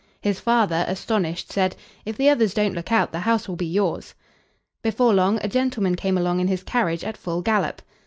His father, astonished, said: "If the others don't look out, the house will be yours." Before long a gentleman came along in his carriage at full gallop.